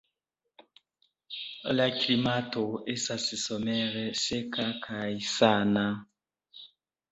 La klimato estas somere seka kaj sana.